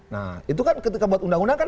nah itu kan ketika buat undang undang kan